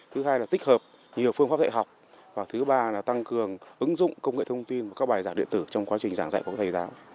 thứ hai là tích hợp nhiều phương pháp dạy học và thứ ba là tăng cường ứng dụng công nghệ thông tin và các bài giảng điện tử trong quá trình giảng dạy của các thầy giáo